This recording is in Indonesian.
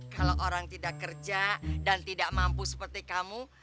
kalau orang tidak kerja dan tidak mampu seperti kamu